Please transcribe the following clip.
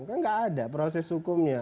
kan nggak ada proses hukumnya